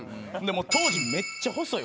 もう当時めっちゃ細い。